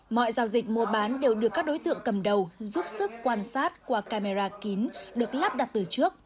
mọi giao dịch mua bán đều được các đối tượng cầm đầu giúp sức quan sát qua camera kín được lắp đặt từ trước